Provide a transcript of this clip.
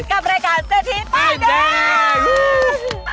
กับรายการเธอทิ้งป้ายแดง